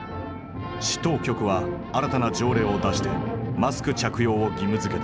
市当局は新たな条例を出してマスク着用を義務付けた。